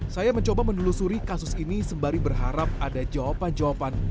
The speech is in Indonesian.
saya mencoba menelusuri kasus ini sembari berharap ada jawaban jawaban